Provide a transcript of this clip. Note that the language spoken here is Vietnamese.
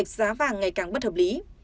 giá vàng ngày càng bất hợp lý